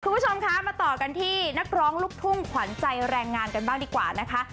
คุณผู้ชมคะมาต่อกันที่นักร้องลูกทุ่งขวัญใจแรงงานกันบ้างดีกว่านะคะ